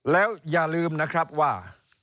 แล้วอย่าลืมนะครับว่า